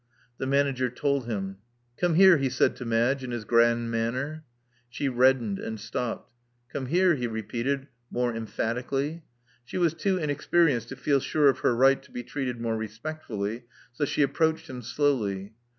The manager told him. Come here," he said to Madge, in his grand manner. She reddened, and stopped. Come here, " he repeated, more emphatically. She was too inexperienced to feel sure of her right to be treated more respectfully, so she approached him slowly.